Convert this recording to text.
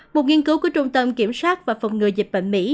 một nghiên cứu của trung tâm kiểm soát và phòng ngừa dịch bệnh mỹ